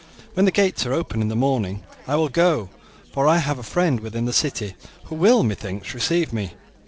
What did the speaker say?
When the gates are open in the morning I will go; for I have a friend within the city who will, methinks, receive me."